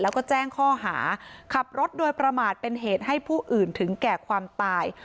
แล้วก็แจ้งข้อหาขับรถโดยประมาทเป็นเหตุให้ผู้อื่นถึงแก่ความตาย